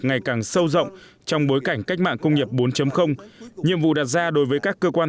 ngày càng sâu rộng trong bối cảnh cách mạng công nghiệp bốn nhiệm vụ đặt ra đối với các cơ quan